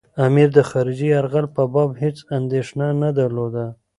امیر د خارجي یرغل په باب هېڅ اندېښنه نه درلوده.